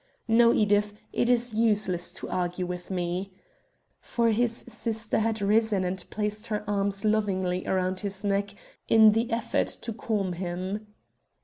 "No, Edith; it is useless to argue with me," for his sister had risen and placed her arms lovingly round his neck in the effort to calm him.